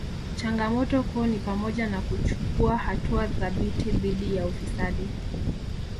Changamoto kuu ni pamoja na kuchukua hatua thabiti dhidi ya ufisadi